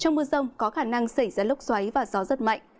trong mưa rông có khả năng xảy ra lốc xoáy và gió rất mạnh